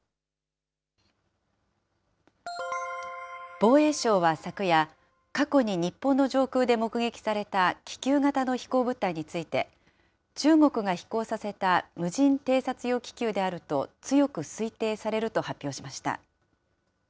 防衛省は昨夜、過去に日本の上空で目撃された気球型の飛行物体について、中国が飛行させた無人偵察用気球であると強く推定されると発表しました。